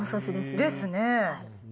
ですね。